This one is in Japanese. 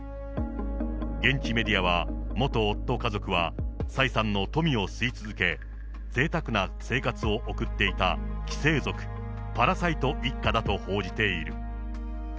現地メディアは、元夫家族は、蔡さんの富を吸い続け、ぜいたくな生活を送っていた寄生族・パラサイト一家だと報じている。